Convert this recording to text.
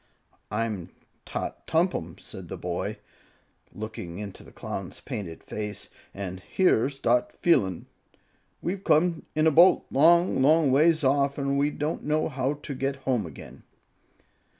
"I'm Tot Tompum," said the boy, looking up into the Clown's painted face, "and here's Dot F'eelun. We've come in a boat, long, long ways off. An' we don't know how to get home again."